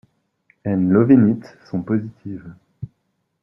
And Lovin' It sont positives.